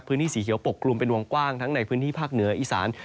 สีเขียวปกกลุ่มเป็นวงกว้างทั้งในพื้นที่ภาคเหนืออีสาน